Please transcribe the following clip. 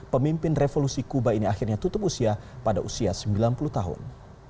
pemimpin revolusi kuba ini akhirnya tutup usia pada usia sembilan puluh tahun